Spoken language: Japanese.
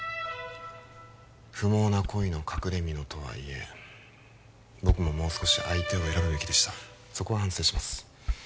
不毛な恋の隠れみのとはいえ僕ももう少し相手を選ぶべきでしたそこは反省します